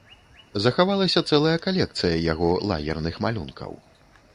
Захавалася цэлая калекцыя яго лагерных малюнкаў.